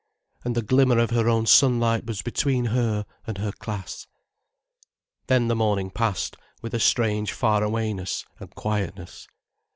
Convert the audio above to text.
And the glimmer of her own sunlight was between her and her class. Then the morning passed with a strange far awayness and quietness.